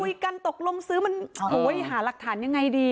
แค่พูดคุยกันตกลงซื้อมันโหยหารักฐานยังไงดี